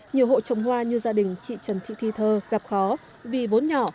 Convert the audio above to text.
nhiều hộ trồng hoa như gia đình chị trần thị thi thơ gặp khó vì vốn nhỏ